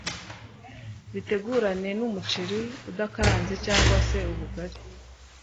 bitegurane n’umuceri udakaranze cyangwa se ubugari